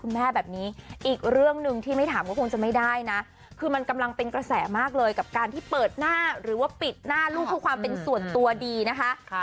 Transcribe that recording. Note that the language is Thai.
แม่แบบนี้อีกเรื่องหนึ่งที่ไม่ถามก็คงจะไม่ได้นะคือมันกำลังเป็นกระแสมากเลยกับการที่เปิดหน้าหรือว่าปิดหน้าลูกเพื่อความเป็นส่วนตัวดีนะคะ